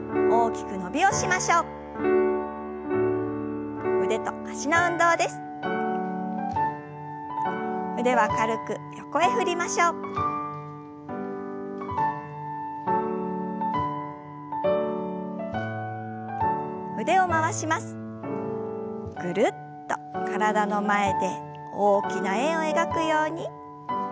ぐるっと体の前で大きな円を描くように。